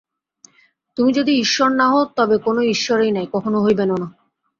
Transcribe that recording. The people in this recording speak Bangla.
তুমি যদি ঈশ্বর না হও, তবে কোন ঈশ্বর নাই, কখনও হইবেনও না।